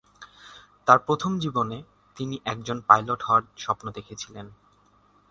তার প্রথম জীবনে, তিনি একজন পাইলট হওয়ার স্বপ্ন দেখেছিলেন।